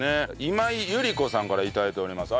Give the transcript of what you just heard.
今井悠莉子さんから頂いております。